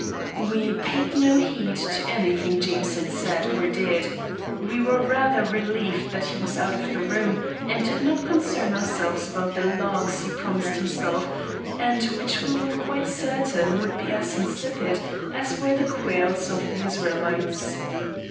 We paid no heed to anything Jameson said or did. We were rather relieved that he was out of the room, and did not concern ourselves about the "larks" he promised himself, and which we were quite certain would be as insipid as were the quails of the Israelites.